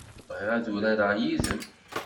Bɣiɣ ad urareɣ yid-m.